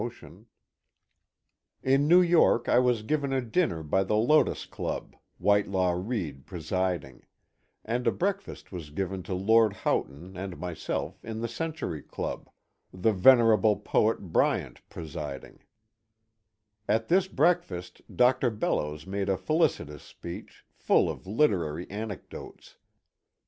His yisit was made JOHN FISKE'S OPTICAL DELUSION 306 In New York I was given a dinner by the Lotus Club, Whitelaw Beid presiding; and a breakfast was given to Lord Houghton and myself in the Century Club, the vener able poet Bryant presiding^ At this breakfast Dr. Bellows made a felicitous speech, full of literary anecdotes.